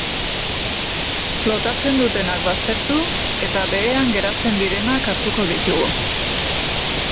Flotatzen dutenak baztertu, eta behean geratzen direnak hartuko ditugu.